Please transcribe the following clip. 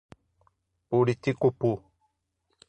Buriticupu